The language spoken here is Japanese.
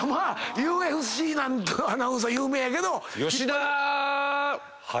ＵＦＣなんてアナウンサー有名やけど。